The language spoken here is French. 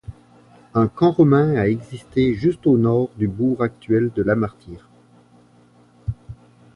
Un camp romain a existé juste au nord du bourg actuel de La Martyre.